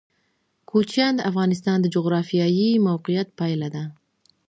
کوچیان د افغانستان د جغرافیایي موقیعت پایله ده.